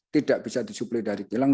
tidak bisa disuplai dari kilang